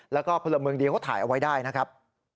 แล้วก็พลเมืองดีเขาถ่ายเอาไว้ได้นะครับ